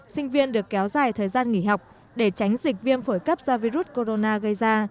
sinh viên được kéo dài thời gian nghỉ học để tránh dịch viêm phổi cấp do virus corona gây ra